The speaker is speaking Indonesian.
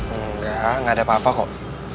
enggak enggak ada apa apa kok